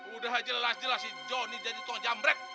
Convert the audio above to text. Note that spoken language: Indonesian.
udah jelas jelas si jonny jadi tutang jambret